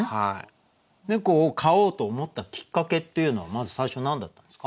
猫を飼おうと思ったきっかけっていうのはまず最初何だったんですか？